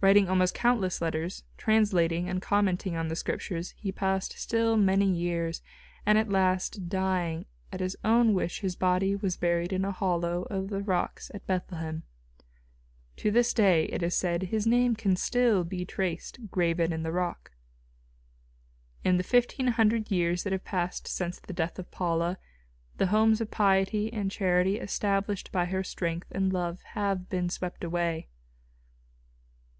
Writing almost countless letters, translating and commenting on the Scriptures he passed still many years, and at last, dying, at his own wish his body was buried in a hollow of the rocks at Bethlehem. To this day, it is said, his name can still be traced graven in the rock. In the fifteen hundred years that have passed since the death of Paula, the homes of piety and charity established by her strength and love have been swept away.